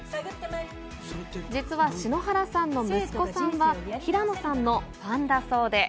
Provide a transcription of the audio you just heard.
実は篠原さんの息子さんは平野さんのファンだそうで。